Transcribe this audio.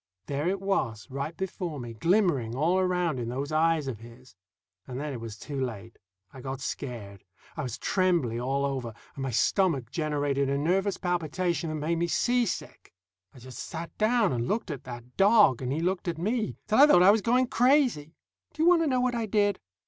There it was, right before me, glimmering all around in those eyes of his. And then it was too late. I got scared. I was trembly all over, and my stomach generated a nervous palpitation that made me seasick. I just sat down and looked at that dog, and he looked at me, till I thought I was going crazy. Do you want to know what I did?